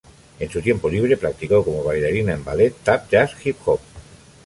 En su tiempo libre practicó como bailarina en Ballet, Tap, Jazz y Hip-Hop.